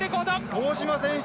大島選手